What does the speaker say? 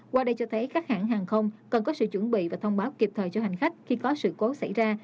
qua đây cho thấy các hãng hàng không cần có sự chuẩn bị và thông báo kịp thời cho hành khách khi có sự cố xảy ra